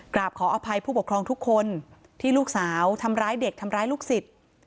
กราบขออภัยผู้ปกครองทุกคนที่ลูกสาวทำร้ายเด็กทำร้ายลูกศิษย์